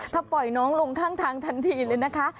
ถ้าปล่อยน้องลงข้างทางทันทีเลยนะคะ